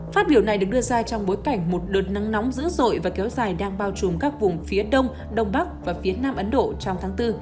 phát biểu này được đưa ra trong bối cảnh một đợt nắng nóng dữ dội và kéo dài đang bao trùm các vùng phía đông đông bắc và phía nam ấn độ trong tháng bốn